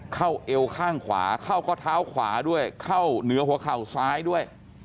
เอวข้างขวาเข้าข้อเท้าขวาด้วยเข้าเหนือหัวเข่าซ้ายด้วย